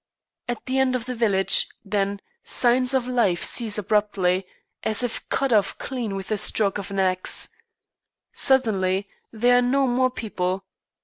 At the end of the village, then, signs of life cease abruptly, as if cut off clean with the stroke of an axe. Suddenly there are no more people.